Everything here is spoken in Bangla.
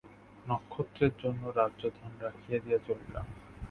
নক্ষত্রের জন্য রাজ্য ধন রাখিয়া দিয়া চলিলাম।